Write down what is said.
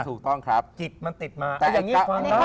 อย่างนี้ฟังได้